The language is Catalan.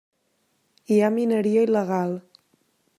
Hi ha mineria il·legal.